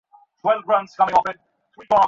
ইহাদের কিছু কিছু না দিলে ইহারা যাইবে কোথায়?